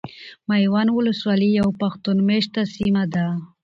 ميوند ولسوالي يو پښتون ميشته سيمه ده .